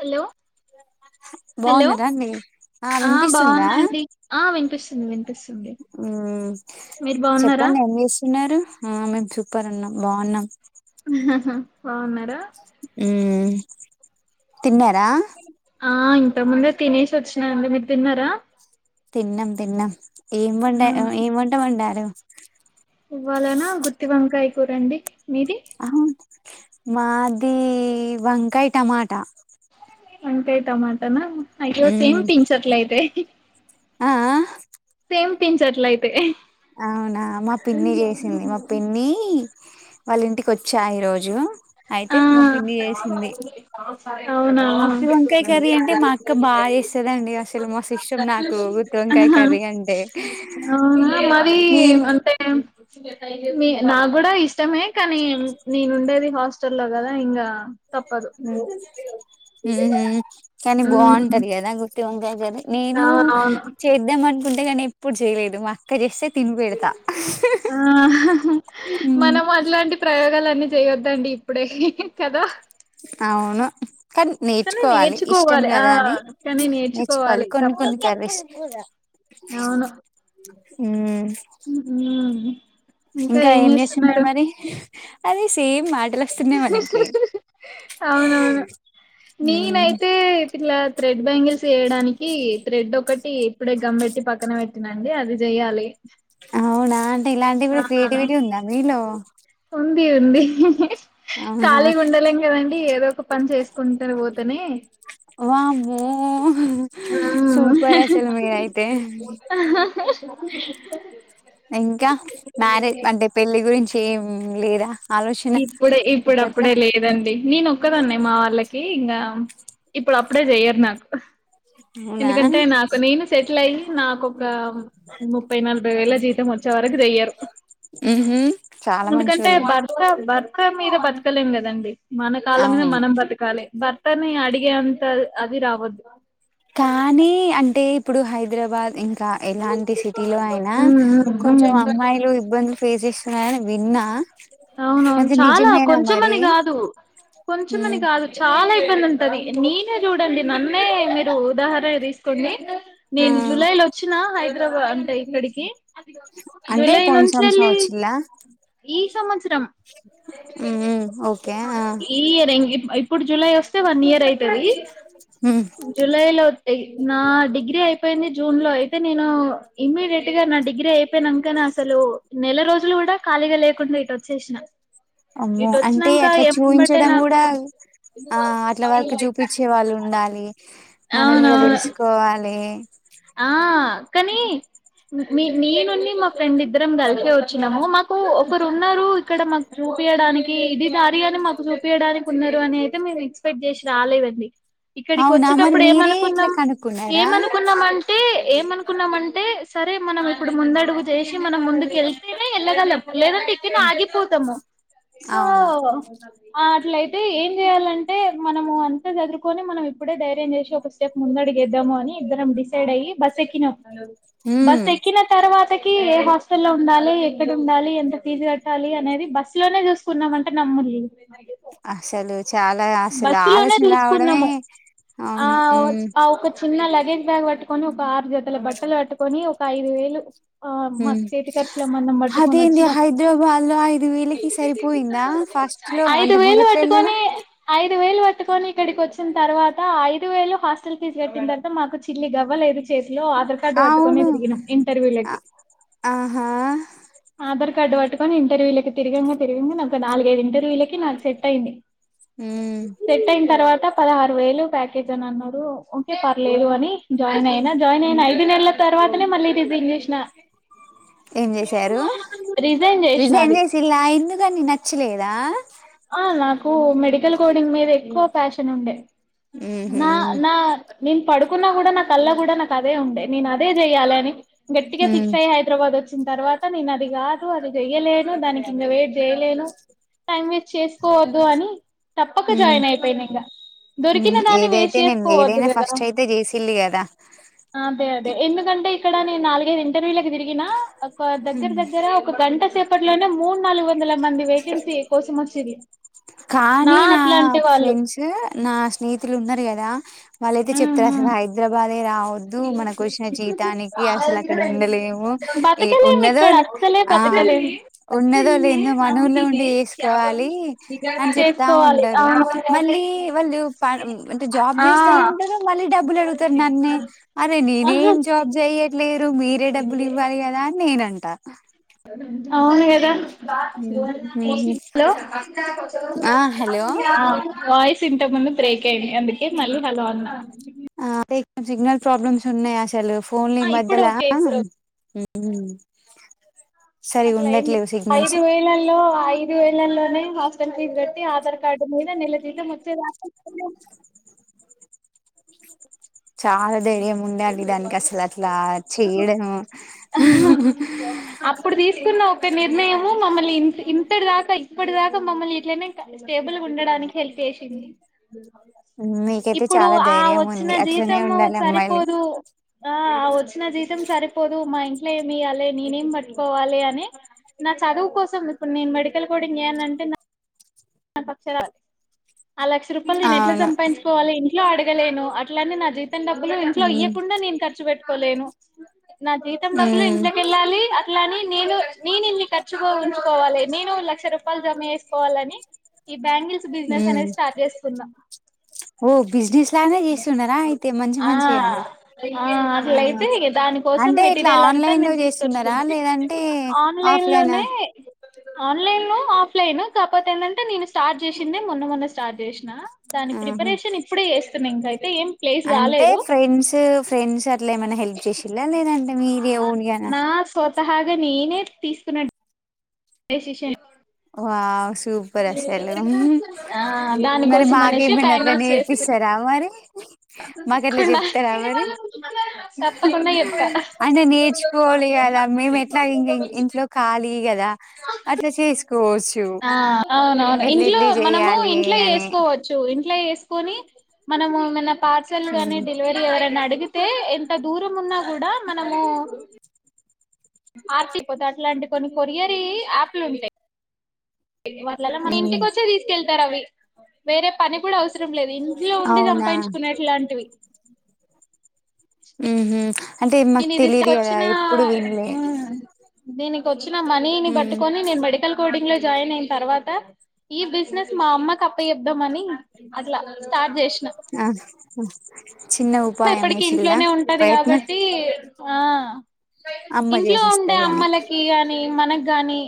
Hello hello బాగున్నరాండి ఆ వినిపిస్తుందా బాగున్నాండి ఆ వినిపిస్తుంది వినిపిస్తుంది ఉమ్ మీరు బాగున్నారా చెప్పండి ఏం జేస్తున్నారు ఆ మేం సూపర్ ఉన్నాం బాగున్నాం ఉ హా హా బాగున్నారా ఉమ్ తిన్నరా ఆ ఇంతకు ముందే తినేసి వచ్చినాండి మీరు తిన్నరా తిన్నం తిన్నం ఏం వండా ఏం వంట వండారు ఇవ్వాలనా గుత్తి వంకాయి కూరండి మీది అహ మాది వంకాయ్ టమాటా వంకాయ్ టమా టనా అయ్యో సేమ్ మ్మ్ పించ్ అట్లైతే ఆ సేమ్ పించట్లయితే అవునా మా పిన్ని చేసింది మా పిన్ని వాళ్ళ ఇంటికి వచ్చా ఈ రోజు అయితే ఆ మా పిన్ని జేసింది అవునా గుత్తి వంకాయ కర్రీ అంటే మా అక్క బాగా జేస్తదండి అసలు మస్త్ ఇష్టం నాకు గుత్తివంకాయ ఆహా కర్రీ అంటే ఈ మీరు అంటే నా గూడా ఇష్ టమే కానీ నేనుండేది హాస్ స్టల్ లో గదా ఇంగ ఉ ఉ కానీ ఉమ్ బాగుంటది కదా గుత్తి వంకాయ నేను అవునవును చేద్దామన్ ఉంటేగానే ఎప్పుడు జేయలేదు మా అక్క జేస్తే ఆ హ మనం అట్లాంటి ప్రయోగాలన్ని చేయొద్దండి ఇప్పుడే కదా అవును కనీ కానీ నేర్చుకోవాలి ఇష్టం ఆ గదా అని కానీ నేర్చుకోవాలి కొన్ని కొన్ని తప్పదు కర్రీస్ అవును హు ఉమ్ ఇంకా ఏం జేస్తున్నారు మరి అది సేమ్ మాటలు వస్తున్నాయి మనకి అవునవును ఉమ్ నేనైతే యైత్ క్లాస్ త్రెడ్ బ్యాంగిల్స్ చెయడానికి త్రెడ్ ఒకటి ఇప్పుడే గమ్ పెట్టి పక్కన పెట్టినండి అవి జెయ్యాలి అవునా ఇలాంటివి క్రియేటివిటీ ఉందా మీలో ఉంది ఉంది అవునా కాళీ ఉండలే కదండి ఏదో ఒకటి ఒక పని చేసుకుంటు పోతేనే వామ్మో సూపర్ అసలు మీరైతే ఆం ఇంకా మ్యారేజ్ అంటే పెళ్లి గురించి ఏం లేదా ఆలోచన ఇప్పుడే ఇప్పుడ ఇప్పట్ల అప్పుడే లేదండి నేను ఒక్కదన్నె మా వాళ్ళకి ఇంకా ఇప్పుడు అప్పుడే చెయరు నాకు అవునా ఎందుకంటే నాకు నేను సెటిల్ అయి నాకు ఒక ముప్పై నలభై వేల జీతం వచ్చే వరకు చెయ్యారు ఉహు చాలా ఎందుకంటే మంచోళ్ళు భర్త భర్త మీద బతకలేం కదండి మన కాలం మీద అవును మనం బతకాలి భర్తని అడిగే అంత అది రావద్దు కానీ అంటే ఇప్పుడు హైదరాబాద్ ఇంకా ఎలాంటి సిటీలో అయినా కొంచెం అమ్మాయిలు ఇబ్బందులు ఫేస్ చేస్తున్నా నిన్న అవునవును చాలా కొంచెమని కాదు కొంచమని ఉమ్ కాదు చాలా ఉంటది నేనే చూడండి నన్నే మీరు ఉదాహరణ తీసుకోండి ఆ నేను జులై లో వచ్చిన హైదరాబాద్ అంటే ఇక్కడికి ఏ ఈ అంటే జూలై పోయిన సంవత్సరం వచ్చిల్లా పోయిన సంవత్సరం ఉమ్ ఉమ్ ఓకే ఆ ఈ ఇయర్ ఇప్పుడు జలై వస్త వన్ ఇయర్ అయితది ఉమ్ జులై లో నా డిగ్రీ అయిపోయింది జూన్ లో అయితే నేను ఇమ్మీడియట్ గా నా డిగ్రీ అయిపోయినాకనే అసలు నెల రోజులు కూడా ఖాళీగా లేకుండా ఇటు వచ్చిన వచ్చేసిన అమ్మో ఇటు అంటే వచ్చినాక అట్లా ఏమంబటే చూపించడం నాకు కూడా ఆ అట్ల వరకు చూపించే వాళ్ళు ఉండాలి మనం కూడా అవునవును తెలుసుకోవాలి [unintelligible] ఆ కాని మీ మీ నుండి మా ఫ్రెండ్ ఇద్దరం కలిసి వచ్చినాము మాక్ కు ఒకరు ఉన్నారు క్కడ మాకు చూపియ్యడానికి ఇది దారి అని మాకు చూపియ్యడానికి ఉన్నారు అని అయితే ఎక్స్పెక్ట్ చేసి రాలేదండి ఇక్కడికి అవునా మరి వచ్చేటప్పుడు మీరే ఇట్లా కనుక్కున్నారా టే ఏమనుకున్నామన్ టే సరే మనం ఇప్పుడు ముందడుగు చే సి మనం ముందుకు వెళ్తేనే వెళ్ళగలం లేదంటే ఇక్కడనే ఆగిపోతాము సో అవును ట్ల అయితే ఏం చేయాలంటే మనము అంతా చదురుకొని మనం ఇప్పుడే ధైర్యం చేసి ఒక స్టెప్ ముందడిగేద్దాము అని ఇద్దరం డిస్ సైడ్ అయ్యి బస్సు ఎక్కినం ఉమ్ బస్ ఎక్కిన తరవా తకీ ఏ హాస్టల్లో లో ఉండాలి ఎక్కడుండాలి ఎంత ఫీజు కట్టాలి అనేది బస్సు లోనే చూసుకున్నామంటే నమ్ముల్లి అసలు చాలా అసలు బస్సు లోనే ఆలోచన రావడమే చూసుకున్నాము ఆ అవును ఉమ్ ఆ ఒక చిన్న లగేజ్ బ్యాగ్ పట్టుకొని ఒక ఆరు జతల బట్టలు పట్టుకొని ఒక ఐదు వేలు ఆ మాకు ఉమ్ చేతి ఖర్చుల మందం పట్టుకొని అదేంది వచ్చినాం హైదరాబాద్ లో ఐదు వేలకి సరిపోయిందా ఫస్ట్ లో ఐదు అంటే వేలు మొదట్లో వెళ్ళాడా పట్టుకొని ఐదు వేలు పట్టుకొని ఇక్కడికి వచ్చిన తర్వాత ఐదు వేలు హాస్టల్ ఫీజు కట్టిన తర్వాత మాకు చిల్లి గవ్వలేదు చేతిలో ఆధార్ కార్డు పట్టుకొనే అవును తిరిగినం అ ఇంటర్వ్యూలకి ఆహా ఆధార్ కడ్ పట్టుకొని ఇంటర్వ్యూ లకి తిరగాము తిరిగాము ఒక నాలుగుగైదు ఇంటర్వ్యూలకి నాకు సెట్ అయింది ఉమ్ సెట్ అయిన తర్వాత పదహారు వేలు ప్యాకేజ్ అని అన్నారు ఓకే పర్లేదు అని జాయిన్ అయినా జాయిన్ అయిన ఐదు నెలల తర్వాతనే మళ్ళీ రిజైన్ చేసినా ఏం చేసారు రిజైన్ చేసిన రిజైన్ అది చేసిల్లా ఎందుకండీ నచ్చలేదా ఆ నాకు మెడికల్ కోడింగ్ మీద ఎక్కువ ప్యాషన్ ఉండే ఉహు నా నా నేను పడుకున్నా కూడా నా కలలో కూడా నాకు అదే ఉండే నేను అదే చెయ్యాలని గట్టిగా ఉ ఫిక్స్ అయ్యి హైదరాబాద్ వచ్చి చ్చిన తర్వాత నేను అది కాదు అది చెయ్యలేను దానికింక వేట్ చేయలేను టైం వేస్ చేసుకోవద్దు అని తప్పక ఉ జాయిన్ అయిపోయినా ఇంగ ఉ దొరికిన దాన్ని ఏదైతే వేస్ట్ నేను వేసుకోవద్దు ఏదైనా కదా ఫస్ట్ అయితే చేసిల్లు కదా అదే అదే ఎందుకంట్ పే ఇక్కడ నేను నాలుగైదు ఇంటర్వ్యూలకు తిరిగిన ఒక దగ్గర దగ్గర ఒక గంట సేపు ప్పట్లోనే మూడు నాలుగు వందల మంది వేకెన్సీ ఎకో చేది కానీ నా ఫ్రెండ్స్ నా స్నేహితులు ఉన్నారు కదా వాళ్లయితే ఉమ్ చెప్తారు అసలు ఉమ్ హైదరాబాదే రా వద్దు మనకు వచ్చిన జీవితానికి అసలు అక్కడ ఉండలేము ఏ బతకలేం ఉన్నదో ఇక్కడ లే అస్సలే ఆ బతకలేం ఉన్నదో లెందో మన ఊళ్ల ఉండి చేసుకోవాలి అని చెప్తా చేసుకోవాలి ఉంటరు అవును మళ్ళీ వాళ్ళు పా అంటే జాబ్ ఆ చేస్తా ఉంటారు మళ్ళీ డబ్బులు అడుగుతరు నన్నే అరే నేనే అవును ఏం జాబ్ చేయట్లేదు మీరే డబ్బులు ఇవ్వాలి కదా అని నేను అం టా అవును కదా ఉమ్, ఉహు. లో ఆ హలో ఆ వాయిస్ సింటమ్ బ్రేక్ అయింది అందుకే మళ్ళీ హలో అన్న ఆ అదే సిగ్నల్ ప్రాబ్లమ్స్ ఉన్నయి అసలు ఫోన్లే ఈ ఇప్పుడు మధ్యలో ఓకే ఉం ఇప్పుడు హ్మ్ అట్లా అయింది ఐదు వేలల్లో ఐదు వేలల్లోనే హాస్టల్ ఫీస్ కట్టి ఆధార్ కార్డ్ మీద నెల జీతం వచ్చే దాకా [unintelligible] చాలా ధైర్యం ఉండాలి దానికి అసలు అట్లా చేయడం అప్పుడు తీసుకున్న ఒక నిర్ణయము మమ్మల్ని ఇ ఇంతటి దాకా ఇప్పటి దాకా మమ్మల్ని ఇట్లనే స్టేబుల్గా ఉండడానికి హెల్ప్ చేసింది మీకైతే ఇప్పుడు చాలా ఆ ధైర్యం వచ్చిన ఉంది అట్లనే జీతము ఉండాలా. సరిపోదు వచ్చిన జీతం సరిపోదు మా ఇంట్లో ఏమి ఇయ్యాలి నేనేం పట్టుకోవాలి అని నా చదువు కోసం ఇప్పుడు నేను మెడికల్ కూడా చేయనంటే మ పక్ష కా ఆ లక్ష రూపాయలు నేను ఎట్లా అవును సంపాదించువాలి ట్లో అడగలేను అట్లా అని జీ తం డబ్బులు ఇంట్లో ఉమ్ ఇయ్యకుండా నేను ఖర్చు పెట్ పోలేను నా జీతం డబ్బులు ఉమ్ ఇంట్లకెళ్లాలి అట్లా అనీ నేను నేను ఇన్ని ఖర్చుగా ఉంచుకోవాలి నేను లక్ష రూపాయలు జమ చేేసుకోవాలని ఈ బ్యాంగిల్స్ బిజినెస్ ఉమ్ అనేది స్టార్ట్ చేసుకున్న ఓ బిజినెస్ లానే చేస్తున్నారా అయితే మంచి ఆ మంచిగా ఆ అట్లయితే దాని కోసం అంటే ఇట్లా మెటీరియల్ అంత ఆన్లైన్ లో నేను తీసుకొచ్చ చేస్తున్నారా లేదంటే ఆన్లైన్ ఆఫ్లైనా లోనే ఆన్లైన్ లో ఆఫ్లైన్ కాకపోతే ఎం. అంటే నేను స్టార్ట్ చేసిందే మొన్న మొన్న స్టార్ట్ చేసిన దాని ఆహా ప్రిపరేషన్ ఇప్పుడే చేస్తున్నా ఇంకైతే ఏం ప్లేస్ అంటే కాలేదు ఫ్రెండ్స్ ఫ్రెండ్స్ అట్లా ఏమైనా హెల్ప్ చేసిలా లేదంటే మీరే ఓన్ గా నా అగ నేనే తీసుకున్న డెసిషన్ వావ్ సూపర్ అసలు ఆ మరి దానికోసం అనేసి మాకేమన్న అట్లా బ్యాంగిల్స్ చేసుకున్నా నేర్పిస్తారా మరి మాక ఎట్లా చెప్తారా మరి తప్పకుండా చెప్తా అంటే నేర్చుకోవాలి కదా మేము ఎట్లా ఇం ఇంట్లో ఖాలీ కదా అట్లా చెస్ ఆ అవునవును ఇంట్లో ఎట్లా మనము చేయాలి ఇంట్లో అని చేసుకోవచ్చు ఇంట్ల చేసుకొని మనము ఏ పార్సల్ ఉమ్ గాని డెలివరీ ఎవరైన అడిగి ఎంత దూరం ఉన్నా కూడా మనము ఆర్టీపోత అట్లాంటి కొన్ని కొరియరీ యాప్లు ఉంటాయి వాట్ల మన ఉమ్ ఇంటికి వచ్చే తీసుకెళ్ అవి వేరే పని కూడా అవస వ లేదు ఇంట్లో ఉండి అవునా సంపాదించుకునేట్లాంటివి ఉ అంటే మాకు నేను ఇది ఇష్ట- తెలిదు కదా ఎప్పుడు వినలే నేని కొద్ వచ్చిన మనీని ఉమ్ పట్టుకని నేను మెడికల్ కోంగ్ లో జాయిన్ అయిన తర్వాత ఈ బిజినెస్ మా అమ్మకి అప్ప చెద్దాం అని అట్లా స్టార్ట్ చే ఆ చిన్న ఉపాయం ఎప్పటికి వేసిల్లా ఇంట్లోనే ఉంటది ప్రయత్నం కాబట్టి ఆ అమ్మ ఇంట్లో ఉండే చేసిస్తది అని అమ్మలకి అని మనకు గాని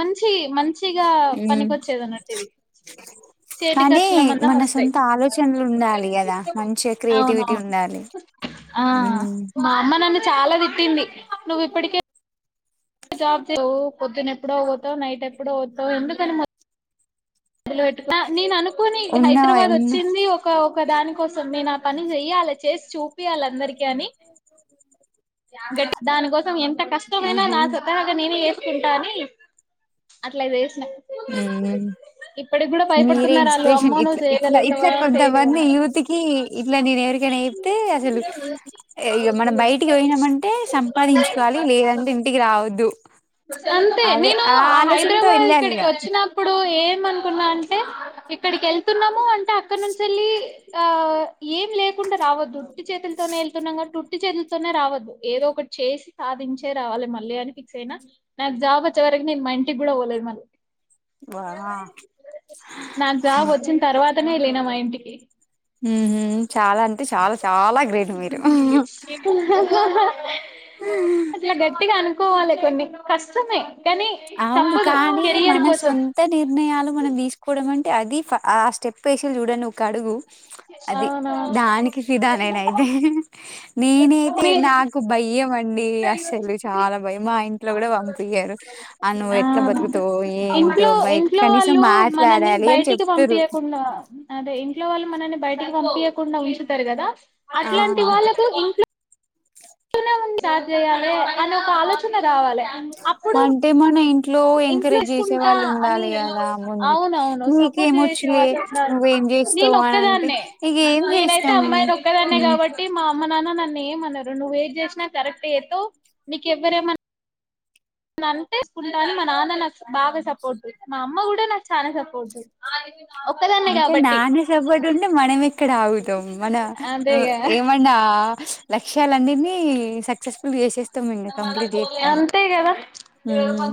మంచి మంచిగా ఉమ్ పనికొచ్చేది అన్నట్టు ఇది చేటి కానీ ఖర్చుల మందం మన వస్తాయి సొంత ఆలోచనలు ఉండాలి కదా మంచిగా క్రియేటివిటీ ఉండాలి అవునువును ఆ ఉమ్ మామ్మ న చ చాలా తిట్టింది నువ్వు ఇప్పటికే జాబ్ చేవు పొద్దున ఎప్పుడో అవతావు నైట్ ఎప్పుడో అతావు ఎందుకని మ అ నను అను చనుకని ఉన్నవా హైదరాబాద్ ఉన్న వచ్చింది ఒక ఒక దాని కోసం నేను ఆ పని చెయ్యాలి చేసి చూపియాలి అందరికి అని దానికోసం ఎంత కష్టమైనా ఆహా నా సతగా నేను చేసుకుంటాని అట్లా ఇప్పటికి కూడా మీరే భయపడుతున్నారు వాళ్ళు ఇన్స్పిరేషన్ అమ్మో ఇట్ నువ్వు ఇట్లా ఇట్లా చేయగలుగుతావా చేయలేవా కొంతమంది యూత్ కి ఇట్లా నేను ఎవరికైనా చెప్తే అసలు ఇ మన బయటి పోయినామంటే సంపాదించుకోవాలి లేదంటే ఇంటికి రావద్దు అంతే అదే నేను ఆ ఆలోచనతో హైదరాబాద్ వెళ్ళాలి ఇక ఇక్కడికి వచ్చినప్పుడు ఏమ అనుకున్నా అంటే ఇక్కడికి వెళ్తున్నాము అంటే అక్కనంంచిల్లి ఆ ఏం లేకుండా రావదు ఉట్టి చేతులతోనే వెళ్తున్నాగాటీ ఉట్టి చేతు నే రావద్దు ఏదో ఒకటి చేసి సాధించే రావాలి మళ్ళీ అని ఫిక్స్ అయినా నాకు జాబ్ వచ్చవరకి నేను మా ఇంటికి కూడా పోలేదు మళ్ళీ వా నాకు బాబు వచ్చిన తర్వాతనేళనా మా ఇంటికి ఏ ఊహు చాలా అంటే చాలా చాలా గ్రేట్ మీరు శీ అ గటి అనుకోవాలి కొన్ని కష్టమే కానీ అవును తప్పదు కానీ కెరియర్ మన కోసం సొంత నిర్ణయాలు మనం తీసుకోవడం అం అంటే అది ఆ స్టెప్ వేసి చూడండి ఒక అడుగు అది అవునా దానికి ఫిదా నిన్ అయితే నేనైతే మీ నాకు బయ ఇ మ ండి అస్సలు చాలా బయ మా ఇంట్లో కూడా పంపియ్యారు ఆ ఇంట్లో బయట ఇంట్లో కనీసం వాళ్ళు మనని మాట్లాడాలి అని బయటికి చెప్తారు పంపయకుండా అదే ఇంట్లో వాళ్ళు మ నని బయటకి పంపించకుండా ఉంచుతారు కదా ఆ అట్లాంటి వాళ్ళకు ఇంట్లో నే ఉ స్టార్ చేయాలి అని ఒక ఆలోచన రావాలే అంటే మన ఇ ఇంట్లో ఇస్తుంటా అని కదా ముందుకి అవునవును సపోర్ట్ నీకేమొచ్చులే చేసేవాన్నారు నువ్వేం నేను చేస్తావు అని అంటే ఒక్కదాన్నే ఇక ఏం నేనైతే చేస్తాం అమ్మాయిని ఒక్కదాన్నే మ్ కాబట్టి మా అమ్మ నాన్న నన్ను ఏమ నువ్వు వెయిట్ చేసినా కరెక్ట్ ఎతో నీక ఎవ్వరేమన్నా అంటే స్కూల్ కానీ మా నాన్న నాకు బాగా సపోర్ట్ మా అమ్మ కూడా నాకు చాలా సపోర్ట్ ఒక్కదాన్నే ఇంకా కాబట్టి నాన్న సపోర్ట్ ఉంటే మనం ఇక్కడ ఆగుతాం మన అంతే ఇగ ఏమన్నా విషయాలన్నిని సక్సెస్ మ బలే అంత కద ర కొ మ్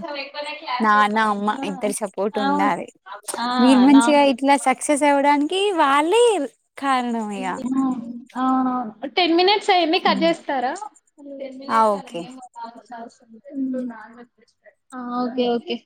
నాన్న అమ్మ క్ ఇద్దరి సపోర్ట్ అవునా సక్సస్ ఎవు అక వాళ అ టెన్ మనిట్స్ ఏమ కట్ చేస్తారుామ ఆ ఓకే ఆ ఓకే ఓకే